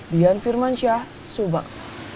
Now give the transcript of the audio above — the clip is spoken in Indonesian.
dian firman syah subang